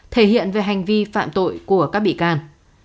thể hiện về hành vi phạm tội của các bị can